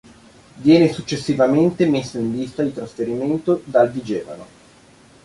Viene successivamente messo in lista di trasferimento dal Vigevano.